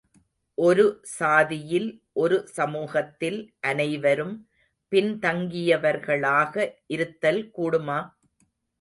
ஒரு சாதியில், ஒரு சமூகத்தில் அனைவரும் பின் தங்கியவர்களாக இருத்தல் கூடுமா?